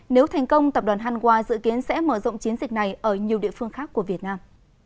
nếu thành công tập đoàn hanwha dự kiến sẽ mở rộng chiến dịch này ở nhiều địa phương khác của việt nam